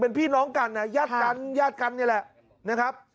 เป็นพี่น้องกันนะญาติกันญาติกันนี่แหละนะครับ